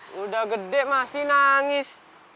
lo udah gede masih nangis